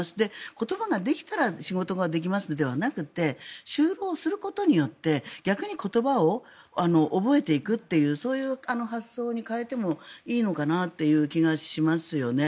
言葉ができたら仕事ができますではなくて就労することによって逆に言葉を覚えていくっていうそういう発想に変えてもいいのかなという気がしますよね。